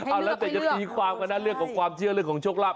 เอาแล้วแต่จะมีความน่าเลือกของความเชื่อเลือกของชกลับ